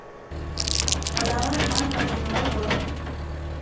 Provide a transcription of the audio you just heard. Пыдалат манме дене огыл.